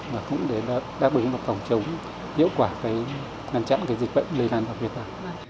và cũng đã đáp ứng phòng chống hiệu quả để ngăn chặn dịch bệnh lây lan vào việt nam